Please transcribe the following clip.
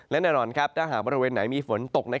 และแน่นอนถ้าหากบริเวณไหนมีฝนตก